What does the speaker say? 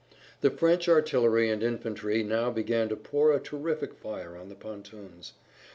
The French artillery and infantry now began to pour a terrific fire on the pontoons.